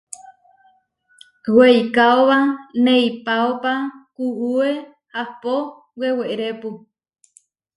Weikaóba neipáopa kuué ahpó wewerépu.